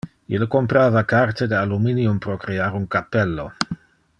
Ille comprava carta de aluminium pro crear un cappello.